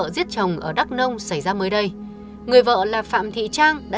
để không bỏ lỡ những video hấp dẫn